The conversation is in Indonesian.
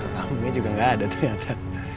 kamunya juga gak ada ternyata